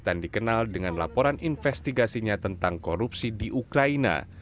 dan dikenal dengan laporan investigasinya tentang korupsi di ukraina